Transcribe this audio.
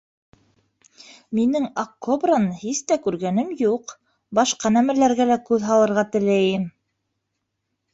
Минең аҡ кобраны һис тә күргәнем юҡ, башҡа нәмәләргә лә күҙ һалырға теләйем.